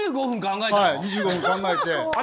２５分考えて。